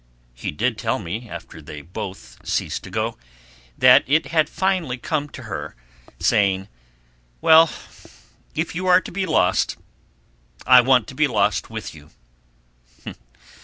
He did tell me, after they both ceased to go, that it had finally come to her saying, "Well, if you are to be lost, I want to be lost with you."